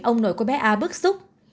ông nội của bé a bức xúc